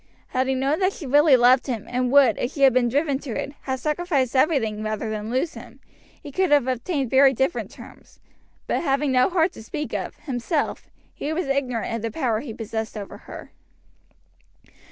Had he known that she really loved him, and would, if she had been driven to it, have sacrificed everything rather than lose him, he could have obtained very different terms; but having no heart to speak of, himself, he was ignorant of the power he possessed over her.